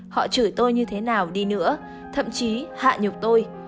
họ chửi tôi như thế nào đi nữa thậm chí hạ nhục tôi